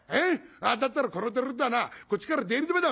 だったらこの寺とはなこっちから出入り止めだ。